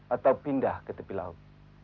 atau pindah ke tepi laut